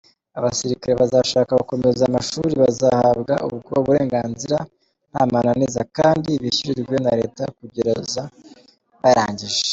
Abasirikari bazashaka gukomeza amashuri bazahabwa ubwo burenganzira ntamananiza kandi bishyurirwe na leta kugera bayarangije.